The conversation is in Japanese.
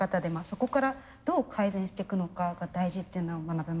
そこからどう改善していくのかが大事っていうのが学べました。